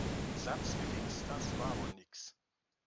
Satz mit X, das war wohl nix.